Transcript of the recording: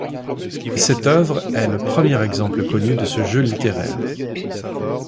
Cette œuvre est le premier exemple connu de ce jeu littéraire.